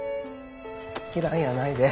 嫌いやないで。